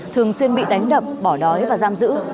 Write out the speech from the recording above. thường xuyên bị đánh đập bỏ đói và giam giữ